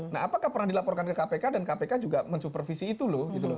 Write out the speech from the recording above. nah apakah pernah dilaporkan ke kpk dan kpk juga mensupervisi itu loh gitu loh